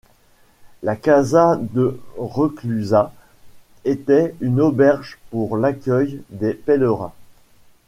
La Casa de Reclusa était une auberge pour l’accueil des pèlerins.